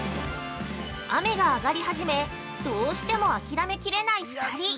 ◆雨が上がり始め、どうしても諦め切れない２人。